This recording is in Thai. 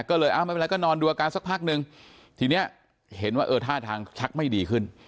ก็เลยอ้าวไม่เป็นไรก็นอนดูอาการสักพักนึงทีนี้เห็นว่าเออท่าทางชักไม่ดีขึ้น